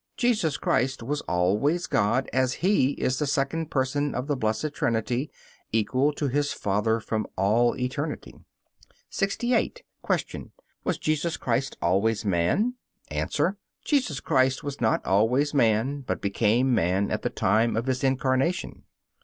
Jesus Christ was always God, as He is the second Person of the Blessed Trinity, equal to His Father from all eternity. 68. Q. Was Jesus Christ always man? A. Jesus Christ was not always man, but became man at the time of His Incarnation.